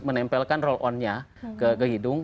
menempelkan roll onnya ke hidung